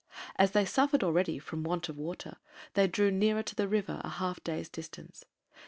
As they suffered already from want of water they drew nearer to the river a half day's distance.